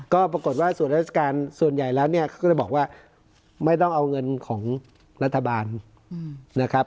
ก็ปรากฏว่าส่วนราชการส่วนใหญ่แล้วเนี่ยเขาก็เลยบอกว่าไม่ต้องเอาเงินของรัฐบาลนะครับ